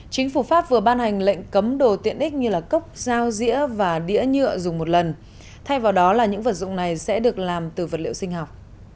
chính phủ pháp vừa ban hành lệnh cấm đồ tiện ích như cốc dao dĩa và đĩa nhựa dùng một lần thay vào đó là những vật dụng này sẽ được làm từ vật liệu sinh học